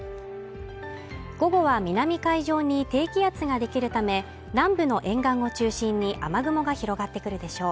午後は南海上に低気圧ができるため南部の沿岸を中心に雨雲が広がってくるでしょう